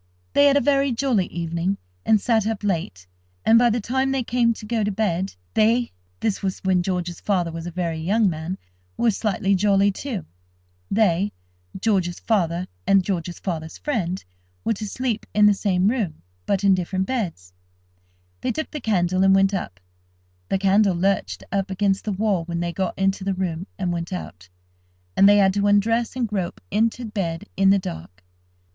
They had a very jolly evening, and sat up late, and, by the time they came to go to bed, they (this was when George's father was a very young man) were slightly jolly, too. They (George's father and George's father's friend) were to sleep in the same room, but in different beds. They took the candle, and went up. The candle lurched up against the wall when they got into the room, and went out, and they had to undress and grope into bed in the dark.